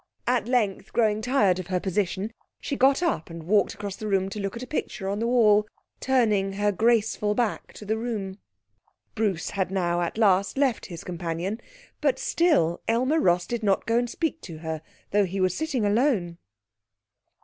At length, growing tired of her position, she got up, and walked across the room to look at a picture on the wall, turning her graceful back to the room. Bruce had now at last left his companion, but still Aylmer Ross did not go and speak to her, though he was sitting alone.